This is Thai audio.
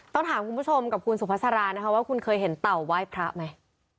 ต้องถามคุณผู้ชมกับคุณสุภาษารานะคะว่าคุณเคยเห็นเต่าไหว้พระไหม